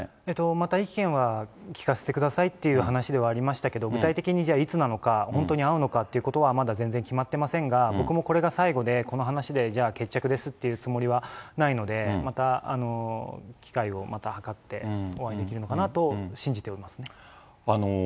また意見は聞かせてくださいっていう話ではありましたけれども、具体的にじゃあ、いつなのか、本当に会うのかっていうことはまだ全然決まってませんが、僕もこれが最後で、この話でじゃあ、決着ですっていうつもりはないので、また機会をまた図って、お会いできるのかなと信じております。